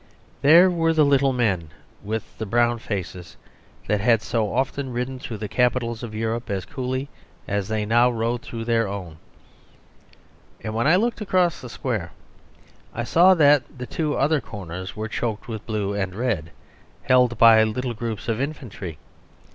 There were the little men with the brown faces that had so often ridden through the capitals of Europe as coolly as they now rode through their own. And when I looked across the square I saw that the two other corners were choked with blue and red; held by little groups of infantry.